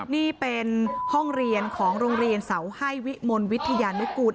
นี่เป็นห้องเรียนของโรงเรียนเสาให้วิมลวิทยานุกูล